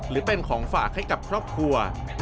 หรือเป็นของฝากให้กับครอบครัว